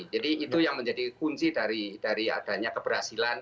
jadi itu yang menjadi kunci dari adanya keberhasilan